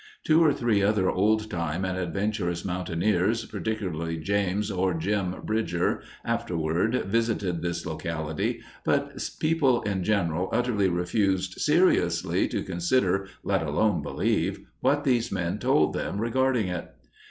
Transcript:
Two or three other old time and adventurous mountaineers, particularly James, or "Jim," Bridger, afterward visited this locality, but people in general utterly refused seriously to consider, let alone believe, what these men told them regarding it.